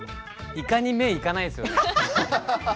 イカに目がいかないですよね。